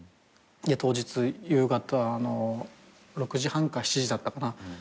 当日夕方の６時半か７時だったかな。